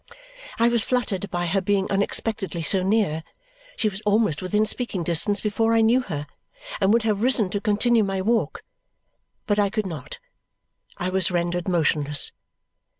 I was fluttered by her being unexpectedly so near (she was almost within speaking distance before I knew her) and would have risen to continue my walk. But I could not. I was rendered motionless.